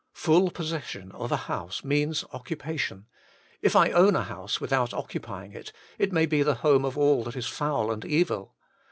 Full possession of a house means occupation : if I own a house without occupying it, it may be the home of all that is foul and evil.